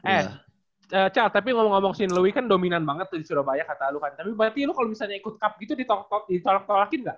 eh cel tapi ngomong ngomong si nelowi kan dominan banget di surabaya kata lu kan tapi berarti lu kalo misalnya ikut cup gitu ditolak tolakin gak